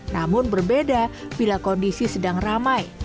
namun berbeda bila kondisi sedang ramai